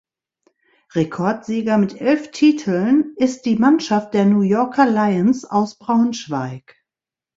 Rekordsieger mit elf Titeln ist die Mannschaft der New Yorker Lions aus Braunschweig.